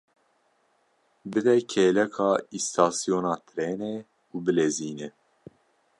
Bide kêleka îstasyona trênê û bilezîne!